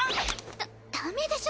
ダダメでしょ！